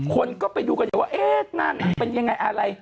คนก็ไปดูกันว่าเอ๊ะหน้าหนังเป็นยังไงอะไร